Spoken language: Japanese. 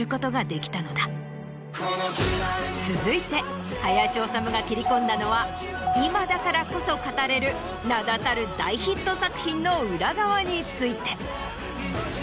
続いて林修が切り込んだのは今だからこそ語れる名だたる大ヒット作品の裏側について。